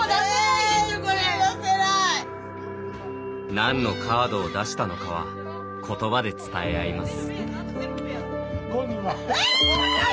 何のカードを出したのかはことばで伝え合います。